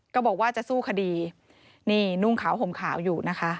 ก็บอกว่าจะสู้คดีนี่นุ่งขาวห่มขาวอยู่นะคะ